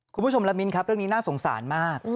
คุณผู้ชมละมิ้นครับเรื่องนี้น่าสงสารมาก